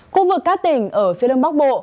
khu vực các tỉnh ở phía đông bắc bộ